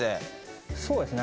そうですね。